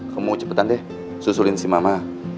kamu mau cepetan deh susulin si mama